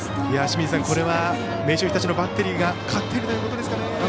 これは明秀日立のバッテリーが勝ってるということですかね。